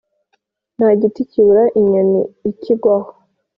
Nta giti kibura inyoni ikigwaho.